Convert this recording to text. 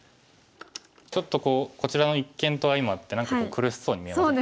ちょっとこうこちらの一間と相まって何か苦しそうに見えません？